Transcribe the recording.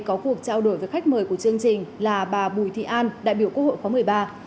có cuộc trao đổi với khách mời của chương trình là bà bùi thị an đại biểu quốc hội khóa một mươi ba